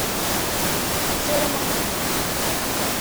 Sarameɣ ad k-ẓṛeɣ daɣen.